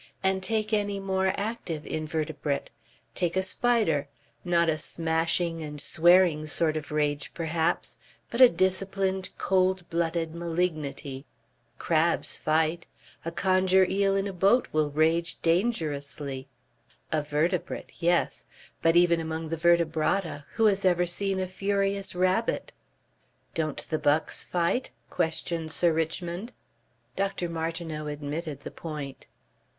And take any more active invertebrate. Take a spider. Not a smashing and swearing sort of rage perhaps, but a disciplined, cold blooded malignity. Crabs fight. A conger eel in a boat will rage dangerously." "A vertebrate. Yes. But even among the vertebrata; who has ever seen a furious rabbit?" "Don't the bucks fight?" questioned Sir Richmond. Dr. Martineau admitted the point.